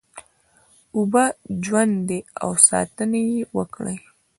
اوبه ژوند دی او ساتنه یې وکړی